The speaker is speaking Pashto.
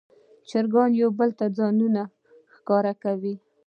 چرګان یو بل ته ځانونه ښکاره کوي.